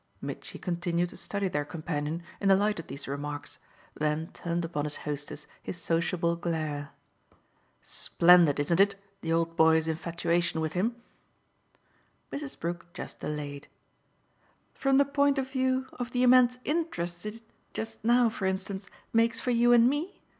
Mitchy continued to study their companion in the light of these remarks, then turned upon his hostess his sociable glare. "Splendid, isn't it, the old boy's infatuation with him?" Mrs. Brook just delayed. "From the point of view of the immense interest it just now, for instance makes for you and me?